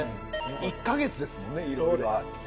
１ヵ月ですもんねいろいろ。